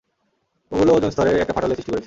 ওগুলো ওজোন স্তরের একটা ফাটলের সৃষ্টি করেছে।